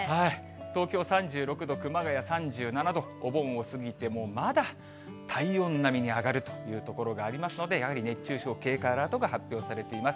東京３６度、熊谷３７度、お盆を過ぎてもまだ体温並みに上がるという所がありますので、やはり熱中症警戒アラートが発表されています。